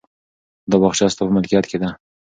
دا باغچه ستا په ملکیت کې ده.